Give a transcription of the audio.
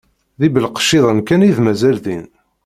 D ibelqecciḍen kan i d-mazal din.